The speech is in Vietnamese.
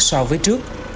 so với trước